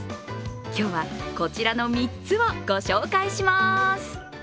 今日は、こちらの３つをご紹介します。